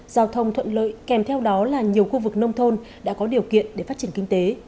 giao thông thuận lợi kèm theo đó là nhiều khu vực nông thôn đã có điều kiện để phát triển kinh tế